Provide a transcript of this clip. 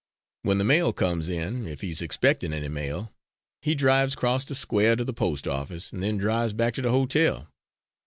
When the mail comes in, if he's expectin' any mail, he drives 'cross the square to the post office, an' then drives back to the ho tel.